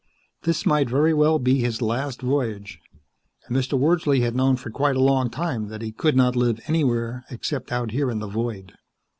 This might very well be his last voyage, and Mr. Wordsley had known for quite a long time that he could not live anywhere except out here in the void.